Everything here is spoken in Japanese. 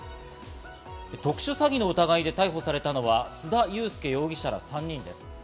特殊詐欺の疑いで逮捕されたのは須田祐介容疑者ら３人です。